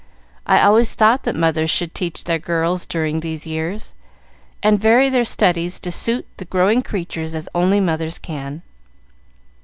I always thought that mothers should teach their girls during these years, and vary their studies to suit the growing creatures as only mothers can.